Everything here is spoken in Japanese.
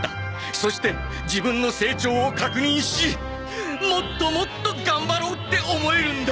そして自分の成長を確認しもっともっと頑張ろうって思えるんだ！